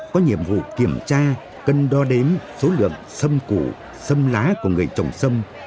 có nhiệm vụ kiểm tra cân đo đếm số lượng xâm củ xâm lá của người trồng sâm